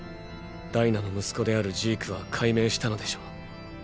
ダイナの息子であるジークは解明したのでしょう。